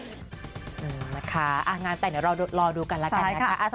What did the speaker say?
นะคะงานแต่งเดี๋ยวรอดูกันแล้วกันนะคะ